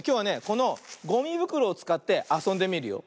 このごみぶくろをつかってあそんでみるよ。